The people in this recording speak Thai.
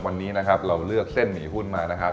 วันนี้นะครับเราเลือกเส้นหมี่หุ้นมานะครับ